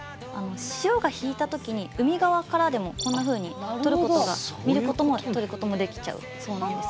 潮が引いた時に海側からでもこんなふうに撮ることが見ることも撮ることもできちゃうそうなんです。